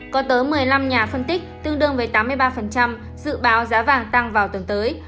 có tới một mươi năm nhà phân tích tương đương với tám mươi ba dự báo giá vàng tăng vào tuần tới